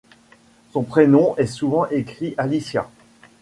Son prénom est souvent écrit Alicia.